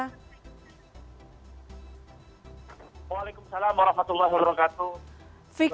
waalaikumsalam warahmatullahi wabarakatuh